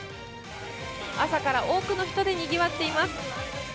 朝から多くの人でにぎわっています。